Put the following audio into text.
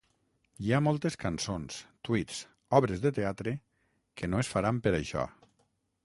Hi ha moltes cançons, tuits, obres de teatre… que no es faran per això.